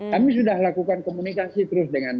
kami sudah lakukan komunikasi terus dengan